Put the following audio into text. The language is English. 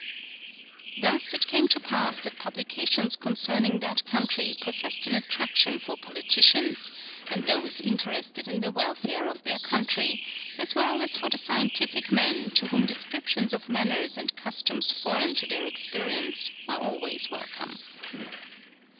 Thus it came to pass that publications concerning that country possessed an attraction for politicians, and those interested in the welfare of their country, as well as for the scientific men to whom descriptions of manners and customs foreign to their experience were always welcome.